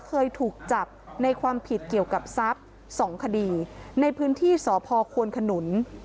เคยถูกจับในความผิดเกี่ยวกับทรัพย์สองคดีในพื้นที่สพควนขนุน